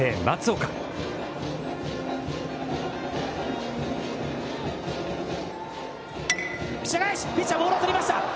ピッチャー返し、ボールを捕りました。